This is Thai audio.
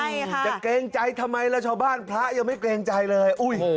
จะเกงใจทำไมรัชบ้านพระยังไม่เกงใจเลย